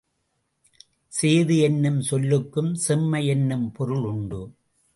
சேது என்னும் சொல்லுக்கும் செம்மை என்னும் பொருள் உண்டு.